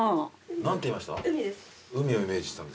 何て言いました？